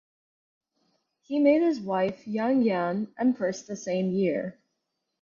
He made his wife Yang Yan empress the same year.